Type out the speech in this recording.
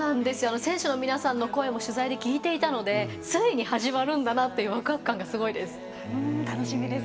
選手の皆さんの声も取材で聞いていたのでついに始まるんだというワクワク感がすごいです。